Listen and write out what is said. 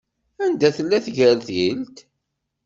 Anda tella tgertilt?